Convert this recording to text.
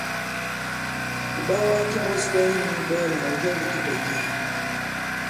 Kìɓawa ki ɓōs wɛ i nyū ɓɛ̄ɛlà ɔ̀ jɔ ndī kifɛ̀nji?